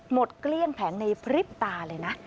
เกลี้ยงแผงในพริบตาเลยนะ